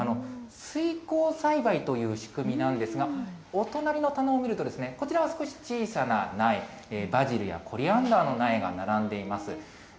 水耕栽培という仕組みなんですが、お隣の棚を見ると、こちらは少し小さな苗、バジルやコリアンダーの苗が並んでいます。